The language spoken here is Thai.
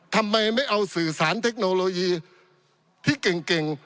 ทำไมไม่เอาสื่อสารเทคโนโลยีที่เก่ง